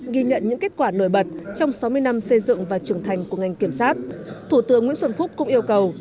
ghi nhận những kết quả nổi bật trong sáu mươi năm xây dựng và trưởng thành của ngành kiểm sát thủ tướng nguyễn xuân phúc cũng yêu cầu